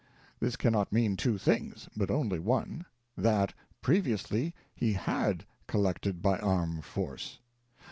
This cannot mean two things, but only one : that, previously, he had collected by armed force.